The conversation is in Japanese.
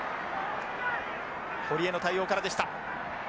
堀江の対応からでした。